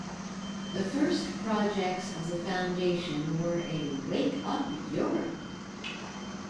The first projects of the foundation were a Wake Up Europe!